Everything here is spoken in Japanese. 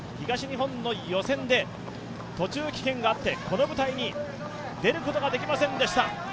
東日本の予選で途中棄権があってこの舞台に出ることができませんでした。